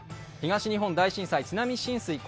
東日本大震災、津波浸水